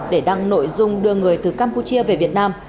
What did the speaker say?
để đăng nội dung đưa người từ campuchia về việt nam